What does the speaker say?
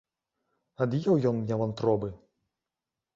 Ад'еў ён мне вантробы!